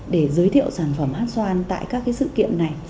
để giới thiệu sản phẩm hát xoan tại các sự kiện này